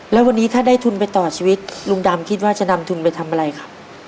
แล้ววันนี้ถ้าได้ทุนไปต่อชีวิตลุงดำคิดว่าจะนำทุนไปทำอะไรครับ